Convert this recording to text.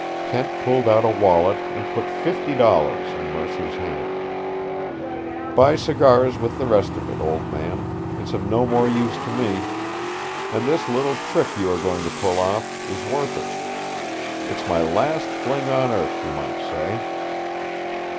Kent pulled out a wallet and put fifty dollars in Mercer's hands. "Buy cigars with the rest of it, old man. It's of no more use to me. And this little trick you are going to pull off is worth it. It's my last fling on earth, you might say."